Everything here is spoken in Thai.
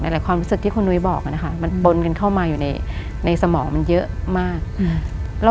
หลายความรู้สึกที่คุณนุ้ยบอกนะคะมันปนกันเข้ามาอยู่ในสมองมันเยอะมาก